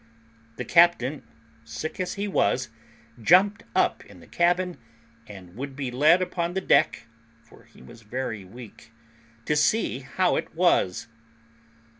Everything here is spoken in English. The captain, sick as he was, jumped up in the cabin, and would be led out upon the deck (for he was very weak) to see how it was.